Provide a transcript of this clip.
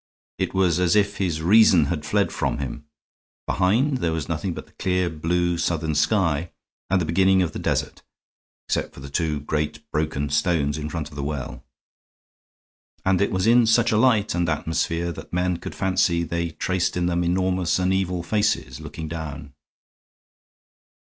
It was as if his reason had fled from him. Behind, there was nothing but the clear blue southern sky, and the beginning of the desert, except for the two great broken stones in front of the well. And it was in such a light and atmosphere that men could fancy they traced in them enormous and evil faces, looking down.